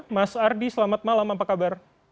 mas ardi selamat malam apa kabar